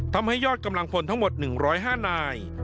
ทำให้ยอดกำลังพลทั้งหมด๑๐๕นาย